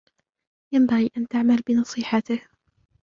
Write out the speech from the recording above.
ينبغي أن تعمل بنصيحته.